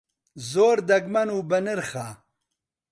زۆر دەگمەن و بەنرخە.